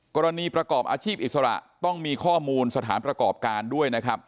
กรณีประกอบอาชีพอิสระต้องมีข้อมูลสถานประกอบการด้วย